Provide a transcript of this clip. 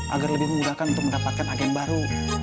agar lebih memudahkan untuk mendapatkan agen baru